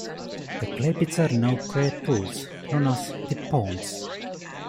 The clay pits are now quiet pools, known as The Ponds.